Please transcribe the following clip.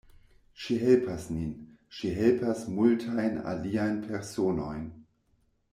Ŝi helpas nin, ŝi helpas multajn aliajn personojn.